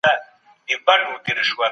د لرغونو آثارو ساتنه د هر افغان دنده ده.